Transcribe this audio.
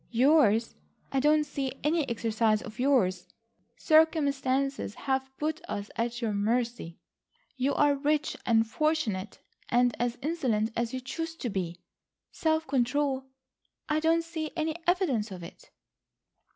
"Yours? I don't see any exercise of yours. Circumstances have put us at your mercy, you are rich and fortunate, and as insolent as you choose to be. Self control? I don't see any evidence of it."